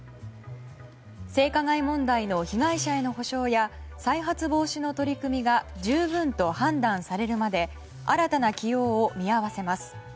性加害問題の被害者への補償や再発防止の取り組みが十分と判断されるまで新たな起用を見合わせます。